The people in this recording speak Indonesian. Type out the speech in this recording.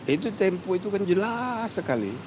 itu tempo itu kan jelas sekali